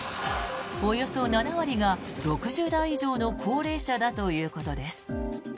およそ７割が６０代以上の高齢者だということです。